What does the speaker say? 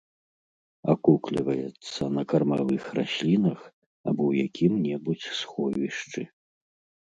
Акукліваецца на кармавых раслінах або ў якім-небудзь сховішчы.